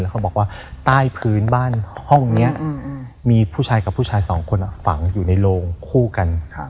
แบบว่าขี้ลงเขาขี้ลงไปใต้ภืนห้องมีผู้ชายกับผู้ชายจะฝังอยู่ในโรงคู่กัน